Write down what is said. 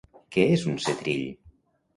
Què és un setrill?